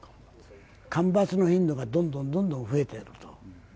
干ばつの頻度がどんどん増えていると。